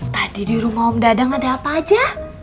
tadi di rumah om dadang ada apa aja